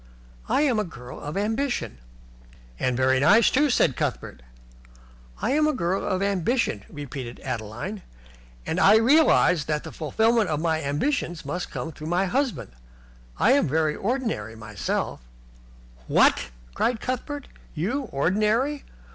"I am a girl of ambition." "And very nice, too," said Cuthbert. "I am a girl of ambition," repeated Adeline, "and I realize that the fulfilment of my ambitions must come through my husband. I am very ordinary myself " "What!" cried Cuthbert. "You ordinary?